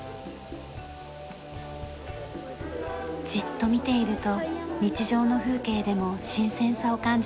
じっと見ていると日常の風景でも新鮮さを感じます。